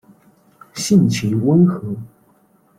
性情温和。